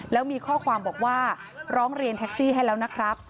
แล้วมีข้อความบอกว่าร้องเรียนแท็กซี่ให้แล้วนะครับ